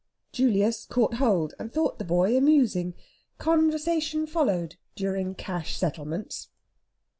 Julius caught hold, and thought the boy amusing. Conversation followed, during cash settlements.